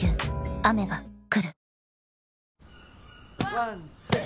ワンツー！